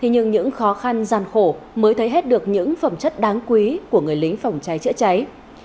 nhưng những khó khăn gian khổ mới thấy hết được những phẩm chất đáng quý của người lính phòng cháy chữa cháy